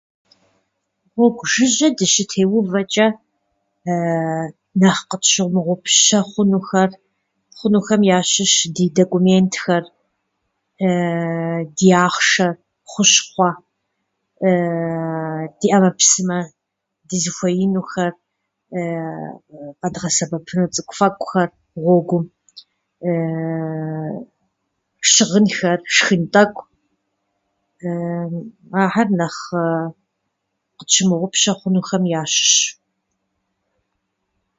Гъуэгу жыжьэ дыщытеувэкӏэ, нэхъ къытщымыгъупщэ хъунухэр хъунухэм ящыщщ ди документхэр, ди ахъшэр, хущхъуэ, ди ӏэмэпсымэ дызыхуеинухэр, къэдгъэсэбэпыну цӏыкӏуфэкӏухэр гъуэгум щыгъынхэр, шхын тӏэкӏу. Ахэр нэхъ ы- къытщымыгъупщэ хъунухэм ящыщщ.